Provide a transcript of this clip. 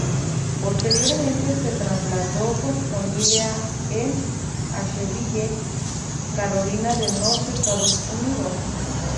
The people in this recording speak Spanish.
Posteriormente se trasladó con su familia en Asheville, Carolina del Norte, Estados Unidos.